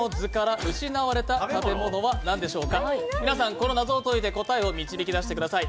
この謎を解いて、答えを導き出してください。